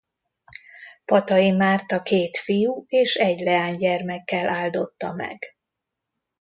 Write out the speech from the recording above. Patay Márta két fiú- és egy leány gyermekkel áldotta meg.